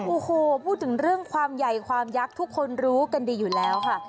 โอ้โหพูดถึงเรื่องความใหญ่ความยักษ์ทุกคนรู้กันดีอยู่แล้วค่ะ